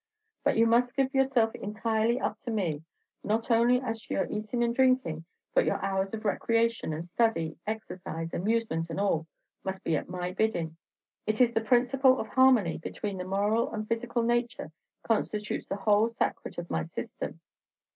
"But you must give yourself entirely up to me; not only as to your eatin' and drinkin', but your hours of recreation and study, exercise, amusement, and all, must be at my biddin'. It is the principle of harmony between the moral and physical nature constitutes the whole sacret of my system.